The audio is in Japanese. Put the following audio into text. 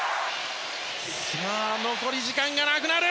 残り時間がなくなる！